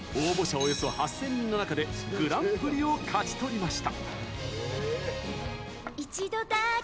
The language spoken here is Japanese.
およそ８０００人の中でグランプリを勝ち取りました。